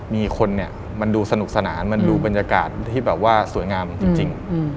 มีคนเนี่ยมันดูสนุกสนานมันดูบรรยากาศที่แบบว่าสวยงามจริง